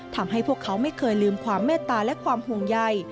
ทำให้พวกเขาไม่เคยลืมความเมตตาและความห่วงใย